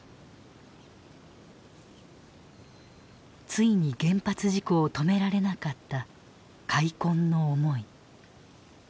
ついに原発事故を止められなかった「悔恨の思い」。